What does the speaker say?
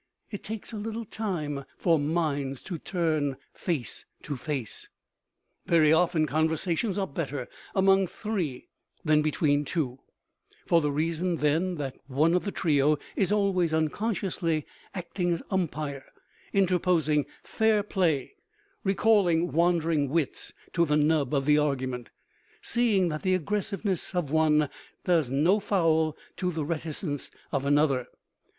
It takes a little time for minds to turn face to face. Very often conversations are better among three than between two, for the reason that then one of the trio is always, unconsciously, acting as umpire, interposing fair play, recalling wandering wits to the nub of the argument, seeing that the aggressiveness of one does no foul to the reticence of another.